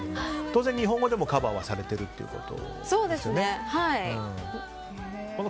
当然日本語でもカバーされてるということですよね。